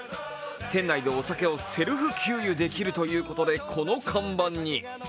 店内でお酒をセルフ給油できるということで、この看板に。